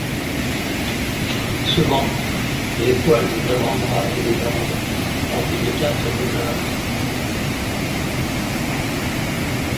Souvent, les poils des avant-bras et des jambes ont une teinte rougeâtre.